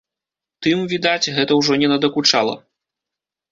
Тым, відаць, гэта ўжо не надакучала.